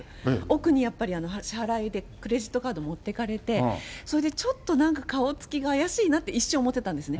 奥にやっぱり、支払いでクレジットカード持っていかれて、それで、ちょっとなんか顔つきが怪しいなって一瞬思ってたんですね。